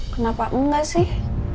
kenapa enggak sih